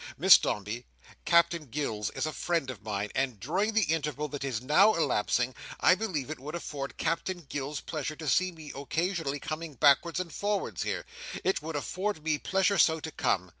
Miss Dombey, Captain Gills is a friend of mine; and during the interval that is now elapsing, I believe it would afford Captain Gills pleasure to see me occasionally coming backwards and forwards here. It would afford me pleasure so to come.